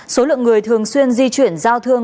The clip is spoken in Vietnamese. số lượng người thường xuyên di chuyển giao thương